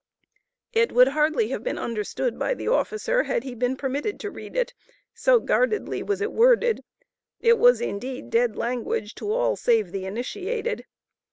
It would hardly have been understood by the officer, had he been permitted to read it so guardedly was it worded, it was indeed dead language to all save the initiated.